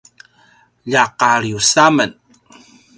lja Qalius a men